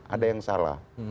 ada yang salah